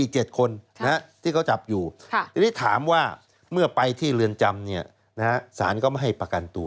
๗คนที่เขาจับอยู่ทีนี้ถามว่าเมื่อไปที่เรือนจำเนี่ยนะฮะสารก็ไม่ให้ประกันตัว